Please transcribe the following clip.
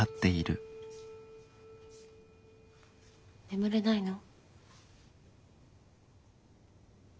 眠れないの？